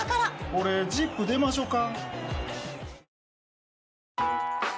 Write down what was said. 俺『ＺＩＰ！』出ましょか？